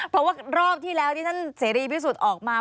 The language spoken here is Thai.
เพราะว่ารอบที่แล้วที่ท่านเสรีพิสุทธิ์ออกมา